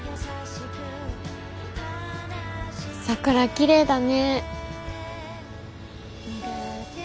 桜きれいだね。